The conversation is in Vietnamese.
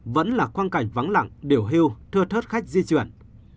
vẫn là quan cảnh vắng lặng điều hưu thưa thớt khách di chuyển